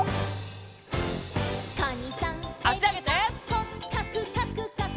「こっかくかくかく」